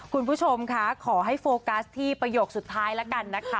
คุณผู้ชมค่ะขอให้โฟกัสที่ประโยคสุดท้ายแล้วกันนะคะ